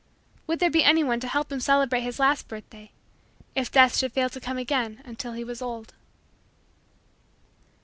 Would there be anyone to help him celebrate his last birthday, if Death should fail to come again until he was old?